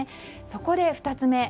そこで２つ目。